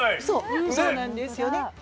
そうなんですよね。